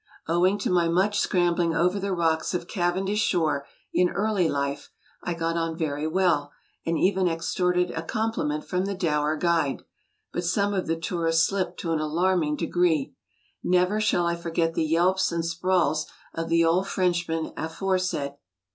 Owing to my much scrambling over the rocks of Cavendish shore in early life, I got on very well and even extorted a compU meot from the dour guide; but some of the tourists slipped to an alarming degree. Never shall I forget the yelps and sprawls of the old Frenchman aforesaid.